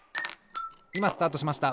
いまスタートしました。